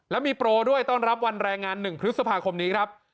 แล้วมีโปรด้วยต้อนรับวันแรงงาน๑พฤษภาคมนี้ครับ